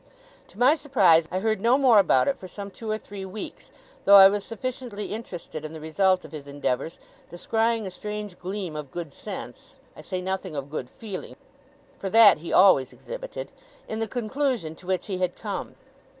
To my surprise, I heard no more about it for some two or three weeks, though I was sufficiently interested in the result of his endeavours; descrying a strange gleam of good sense I say nothing of good feeling, for that he always exhibited in the conclusion to which he had come.